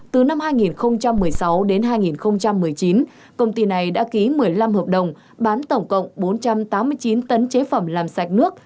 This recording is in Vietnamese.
từ năm hai nghìn một mươi sáu đến hai nghìn một mươi chín công ty này đã ký một mươi năm hợp đồng bán tổng cộng bốn trăm tám mươi chín tấn chế phẩm làm sạch nước